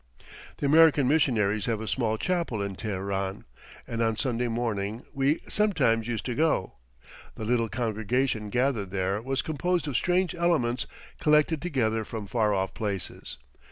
The American missionaries have a small chapel in Teheran, and on Sunday morning we sometimes used to go; the little congregation gathered there was composed of strange elements collected together from far off places.